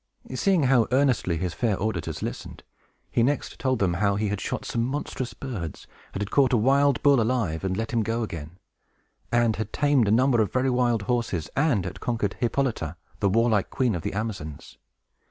Seeing how earnestly his fair auditors listened, he next told them how he had shot some monstrous birds, and had caught a wild bull alive and let him go again, and had tamed a number of very wild horses, and had conquered Hippolyta, the warlike queen of the Amazons.